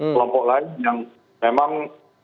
kelompok lain yang memang